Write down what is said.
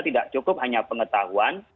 tidak cukup hanya pengetahuan